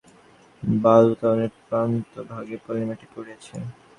যেখানে চাবি পড়িয়াছিল সেখানে বালুতটের প্রান্তভাগে পলিমাটি পড়িয়াছে।